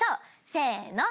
せの。